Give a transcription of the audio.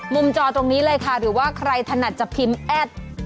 จอตรงนี้เลยค่ะหรือว่าใครถนัดจะพิมพ์แอด